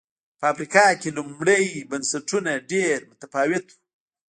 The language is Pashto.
په افریقا کې لومړي بنسټونه ډېر متفاوت و